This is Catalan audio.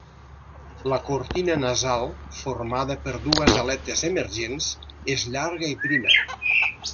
La cortina nasal, formada per dues aletes emergents, és llarga i prima.